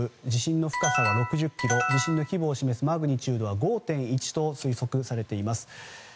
地震の深さは６０ｋｍ地震の規模を示すマグニチュードは５．１と推測されています。